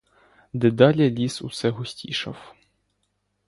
Дедалі ліс усе густішав.